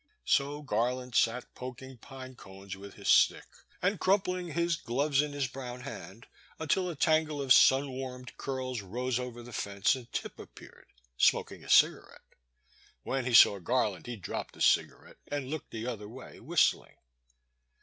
So Garland sat poking pine cones with his stick and crumpling his gloves in his brown The Boy's Sister. 257 hand until a tangle of sun warmed curls rose over the fence and Tip appeared, smoking a cigarette. When he saw Garland he dropped the cigarette and looked the other way, whistling.